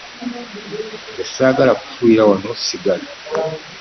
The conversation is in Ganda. Nze ssaagala kufuuyira wano sigala.